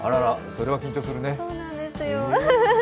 それは緊張するね。